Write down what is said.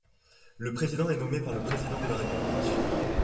Le président est nommé par le président de la République.